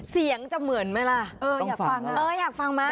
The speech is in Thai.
เสียงจะเหมือนไหมลี่ยะเหลิงฟังอ่ะ